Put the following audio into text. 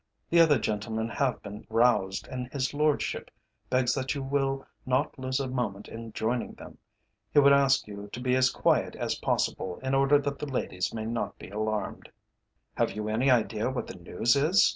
The other gentlemen have been roused, and his Lordship begs that you will not lose a moment in joining them. He would ask you to be as quiet as possible, in order that the ladies may not be alarmed.' "'Have you any idea what the news is?'